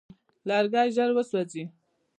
لرګی ژر وسوځي.